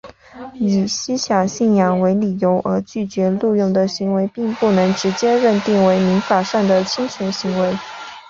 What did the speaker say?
以思想信仰为理由而拒绝录用的行为并不能直接认定为民法上的侵权行为。